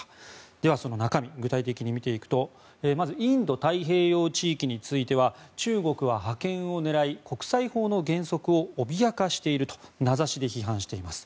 では、その中身具体的に見ていくとまずインド太平洋地域については中国は覇権を狙い国際法の原則を脅かしていると名指しで批判しています。